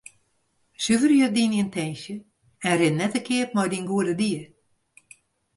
Suverje dyn yntinsje en rin net te keap mei dyn goede died.